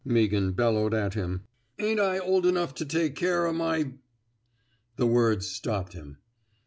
'' Meaghan bellowed at him. Ain't I old enough to take care o ' my —'' The words stopped him.